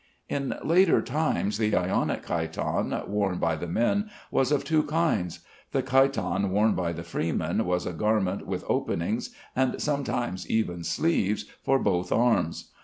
In later times the Ionic chiton worn by the men was of two kinds. The chiton worn by the freemen was a garment with openings, and sometimes even sleeves, for both arms.